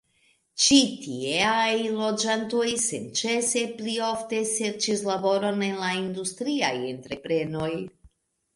Ĉi tieaj loĝantoj senĉese pli ofte serĉis laboron en la industriaj entreprenoj.